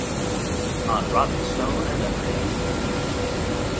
"On Rotten-Stone and Emery".